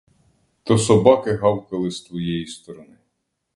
То собаки гавкали з твоєї сторони.